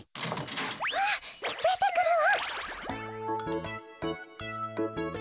あっでてくるわ。